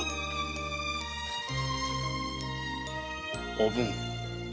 おぶん。